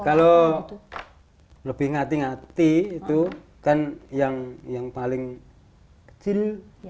kalau lebih ngati ngati itu kan yang paling kecil